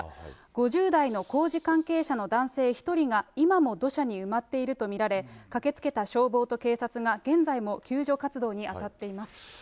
５０代の工事関係者の男性１人が、今も土砂に埋まっていると見られ、駆けつけた消防と警察が現在も救助活動に当たっています。